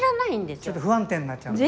ちょっと不安定になっちゃうんですか？